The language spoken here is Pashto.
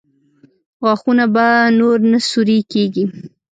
غاښونه به نور نه سوري کېږي؟